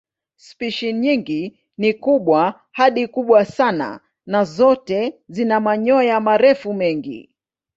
Spishi nyingi ni kubwa hadi kubwa sana na zote zina manyoya marefu mengi.